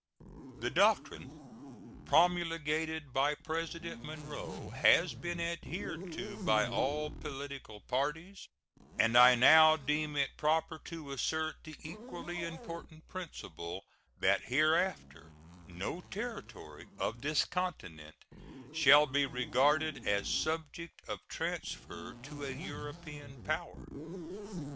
The doctrine promulgated by President Monroe has been adhered to by all political parties, and I now deem it proper to assert the equally important principle that hereafter no territory on this continent shall be regarded as subject of transfer to a European power.